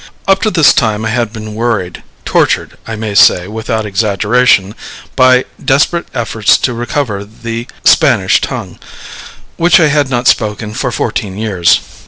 Up to this time I had been worried tortured, I may say, without exaggeration by desperate efforts to recover the Spanish tongue, which I had not spoken for fourteen years.